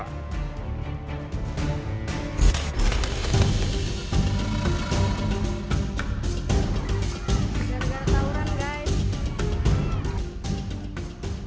dan yang semakin marah